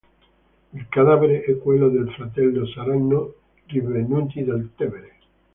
Il cadavere e quello del fratello saranno rinvenuti nel Tevere.